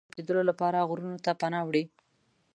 هغوی د پټېدلو لپاره غرونو ته پناه وړي.